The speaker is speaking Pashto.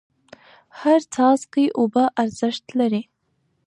هر څاڅکی اوبه ارزښت لري.